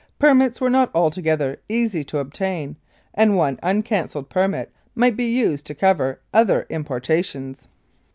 Permits were not altogether easy to obtain, and one uncancelled permit might be used to cover other importations.